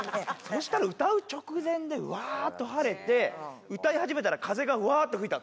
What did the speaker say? そしたら歌う直前でうわっと晴れて歌い始めたら風がうわっと吹いたの。